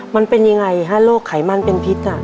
มันเป็นยังไงฮะโรคไขมันเป็นพิษ